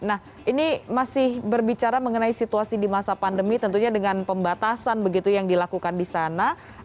nah ini masih berbicara mengenai situasi di masa pandemi tentunya dengan pembatasan begitu yang dilakukan di sana